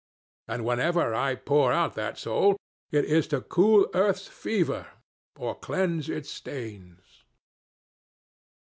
And whenever I pour out that soul, it is to cool earth's fever or cleanse its stains.